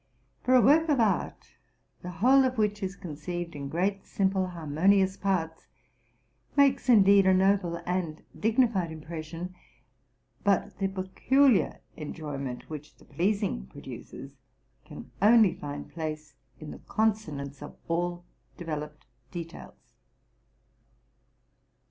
For a work of art, the whole of which is conceived in great, simple, har monious parts, makes indeed a noble and dignified i impression ; but the peculiar enjoyment which the pleasing produces can only find place in the consonance of all developed details.